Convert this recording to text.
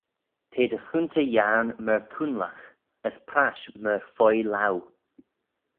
T'eh dy choontey yiarn myr coonlagh, as prash myr fuygh loau.